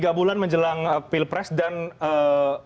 tiga bulan menjelang pilpres dan beberapa minggu menjelang debat